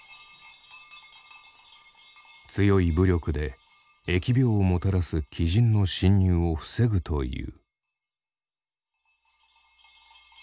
強い武力で疫病をもたらす鬼神の侵入を防ぐという。